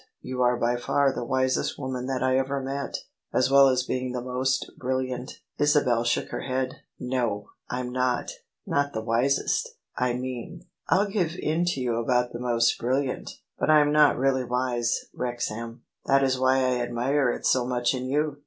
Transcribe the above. You are by far the wisest woman that I ever met, as well as being the most brilliant." Isabel shook her head. " No, I'm not — ^not the wisest, I mean ; I'll give in to you about the most brilliant. But I'm not really wise, Wrexham ; that is why I admire it so much in you.